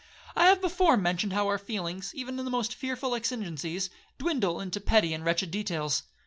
I have before mentioned how our feelings, even in the most fearful exigencies, dwindle into petty and wretched details.